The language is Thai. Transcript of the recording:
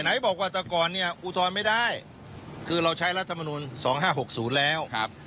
ไหนบอกว่าแต่ก่อนเนี่ยอุทธรณ์ไม่ได้คือเราใช้รัฐมนุนสองห้าหกศูนย์แล้วครับ